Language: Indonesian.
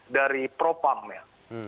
dari propam ya